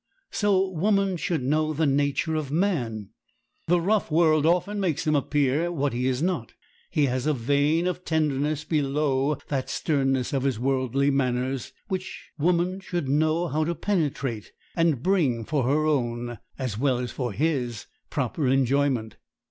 So woman should know the nature of man. The rough world often makes him appear what he is not. He has a vein of tenderness below the sternness of his worldly manners which woman should know how to penetrate and bring for her own, as well as for his, proper enjoyment.